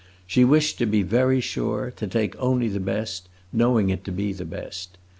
She wished to be very sure, to take only the best, knowing it to be the best.